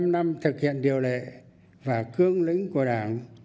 một mươi năm năm thực hiện điều lệ và cương lĩnh của đảng